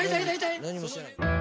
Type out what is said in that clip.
何もしてない。